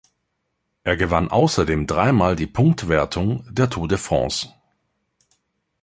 Er gewann außerdem dreimal die Punktwertung der Tour de France.